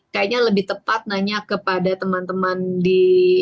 kayaknya lebih tepat nanya kepada teman teman di